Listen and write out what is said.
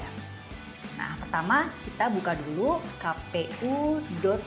nah pertama kita buka dulu kpu